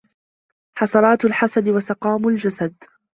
حَسَرَاتُ الْحَسَدِ وَسَقَامُ الْجَسَدِ